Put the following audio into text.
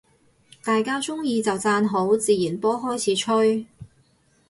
大家鍾意就讚好，自然波開始吹